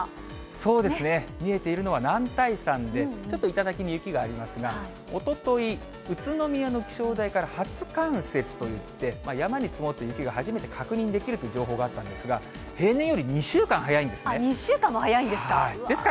そうですね、見えているのは男体山で、ちょっと頂に雪がありますが、おととい、宇都宮の気象台から初冠雪といって、山に積もった雪が初めて確認できるという情報があったんですが、２週間も早いんですか。